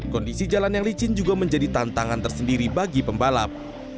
kondisi jalan yang licin juga menjadi tantangan tersendiri bagi pembalap